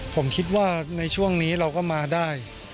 ผมคิดว่าในช่วงนี้เราก็มาได้